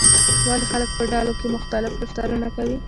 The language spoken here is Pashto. ولې خلک په ډلو کې مختلف رفتارونه کوي؟